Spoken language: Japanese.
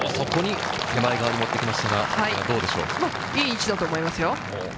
手前側にもっていきましいい位置だと思います。